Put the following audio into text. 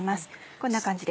こんな感じで。